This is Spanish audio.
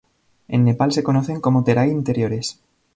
En Nepal se conocen como Terai interiores.